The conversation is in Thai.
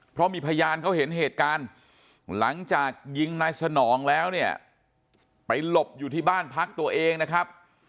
เพราะมีพยานเขาเห็นเหตุการณ์หลังจากยิงนายสนองแล้วเนี่ยไปหลบอยู่ที่บ้านพักตัวเองนะครับ